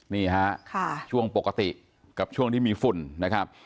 นี่ฮะช่วงปกติกับช่วงที่มีฝุ่นนะครับ